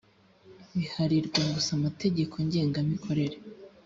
biharirwa gusa amategeko ngenga mikorere